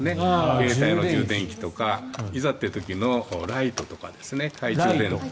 携帯の充電器とかいざという時のライトとか懐中電灯。